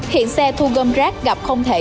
hiện xe thu gâm rác gặp không thể